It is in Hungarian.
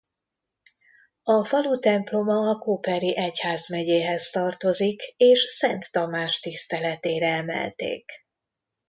A falu temploma a Koperi egyházmegyéhez tartozik és Szent Tamás tiszteletére emelték.